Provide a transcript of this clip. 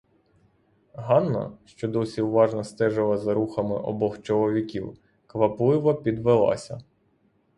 Ганна, що досі уважно стежила за рухами обох чоловіків, квапливо підвелася.